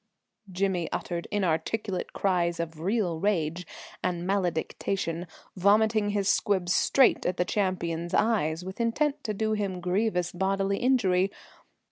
Jimmy uttered inarticulate cries of real rage and malediction, vomiting his squibs straight at the champion's eyes with intent to do him grievous bodily injury.